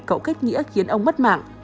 cậu kết nghĩa khiến ông mất mạng